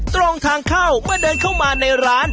ตรงทางเข้าเมื่อเดินเข้ามาในร้าน